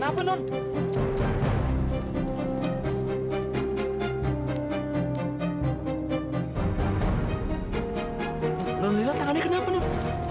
alhamdulillah tangannya kenapa nuf